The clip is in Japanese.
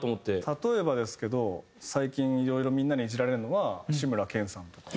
例えばですけど最近いろいろみんなにイジられるのは志村けんさんとか。